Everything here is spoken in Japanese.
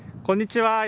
こんにちは。